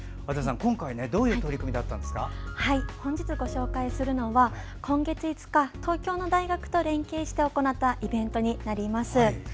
今回本日ご紹介するのは今月５日、東京の大学と連携して行ったイベントになります。